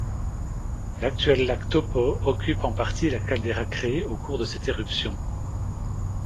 L'actuel lac Taupo occupe en partie la caldeira créée au cours de cette éruption.